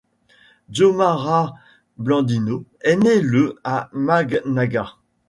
Xiomara Blandino est née le à Managua.